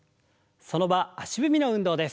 その場足踏みの運動です。